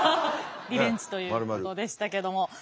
リベンジということでしたけども。